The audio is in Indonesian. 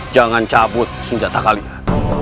jangan cabut senjata kalian